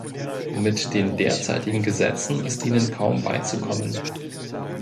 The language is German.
Mit den derzeitigen Gesetzen ist ihnen kaum beizukommen.